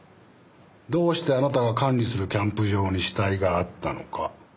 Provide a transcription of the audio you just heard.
どうしてあなたが管理するキャンプ場に死体があったのか。